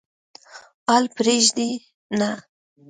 حال پرېږدي نه.